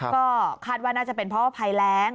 ก็คาดว่าน่าจะเป็นเพราะว่าภัยแรง